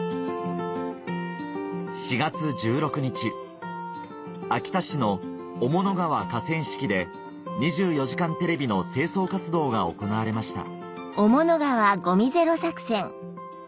４月１６日秋田市の雄物川河川敷で『２４時間テレビ』の清掃活動が行われました